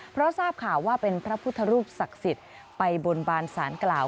เพราะทราบข่าวว่าเป็นพระพุทธรูปศักดิ์สิทธิ์ไปบนบานสารกล่าว